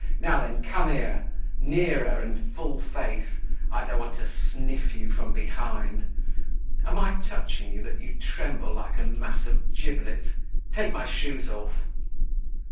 Now then, come here! Nearer and full face. I don't want to sniff you from behind. Am I touching you that you tremble like a mass of giblets? Take my shoes off."